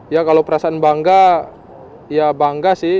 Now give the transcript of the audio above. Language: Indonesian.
ya kalau perasaan bangga ya bangga sih